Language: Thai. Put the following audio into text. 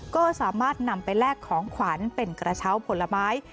ก็สามารถนำไปแลกของขวัญเป็นกระเช้าผลไม้